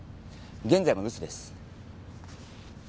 現在も留守です。